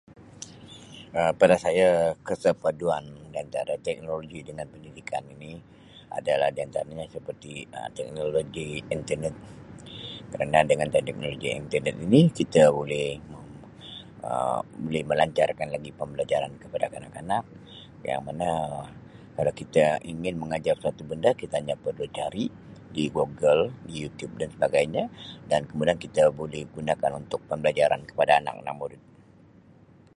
Um Pada saya kesepaduan di antara teknologi dengan pendidikan ini adalah di antaranya seperti Um teknologi internet kerana dengan teknologi internet ini kita buli me- Um buli melancarkan lagi pembelajaran kepada kanak-kanak yang mana kalau kita ingin mengajar suatu benda kita hanya perlu cari di Google, Youtube dan sebagainya dan kemudian kita boleh gunakan untuk pembelajaran kepada anak-anak murid.